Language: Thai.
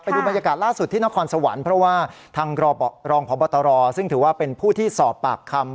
ดูบรรยากาศล่าสุดที่นครสวรรค์เพราะว่าทางรองพบตรซึ่งถือว่าเป็นผู้ที่สอบปากคำ